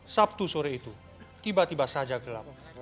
sabtu sore itu tiba tiba saja gelap